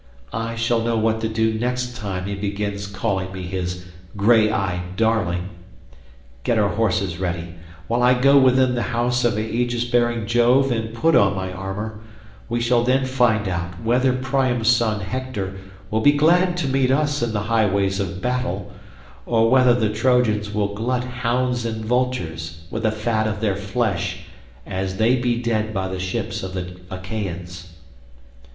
I shall know what to do next time he begins calling me his grey eyed darling. Get our horses ready, while I go within the house of aegis bearing Jove and put on my armour; we shall then find out whether Priam's son Hector will be glad to meet us in the highways of battle, or whether the Trojans will glut hounds and vultures with the fat of their flesh as they be dead by the ships of the Achaeans."